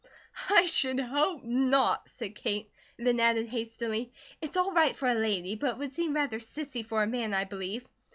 "I should hope not!" said Kate, and then added hastily, "it's all right for a lady, but it would seem rather sissy for a man, I believe."